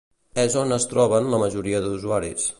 És on es troben la majoria d'usuaris.